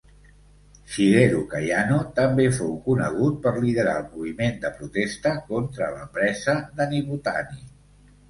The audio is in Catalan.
Shigeru Kayano també fou conegut per liderar el moviment de protesta contra la presa de Nibutani.